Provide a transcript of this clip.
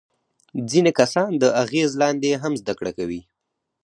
ځینې کسان د اغیز لاندې هم زده کړه کوي.